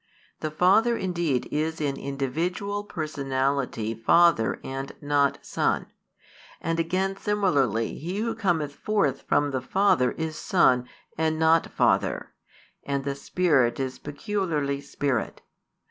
The Father indeed is in individual personality Father and not Son; and again similarly He Who cometh forth from the Father is Son and not Father; and the Spirit is peculiarly Spirit.